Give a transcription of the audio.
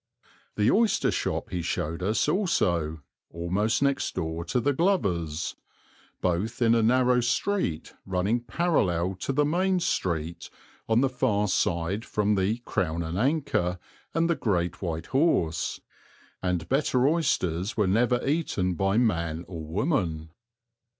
The oyster shop he showed us also, almost next door to the glovers, both in a narrow street running parallel to the main street on the far side from the "Crown and Anchor," and the "Great White Horse," and better oysters were never eaten by man or woman.